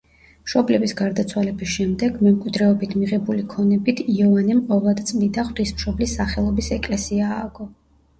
მშობლების გარდაცვალების შემდეგ მემკვიდრეობით მიღებული ქონებით იოანემ ყოვლადწმიდა ღვთისმშობლის სახელობის ეკლესია ააგო.